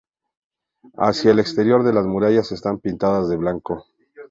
Hacia el exterior las murallas están pintadas de blanco.